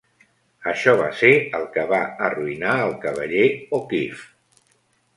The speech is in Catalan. Això va ser el que va arruïnar al Cavaller O'Keefe.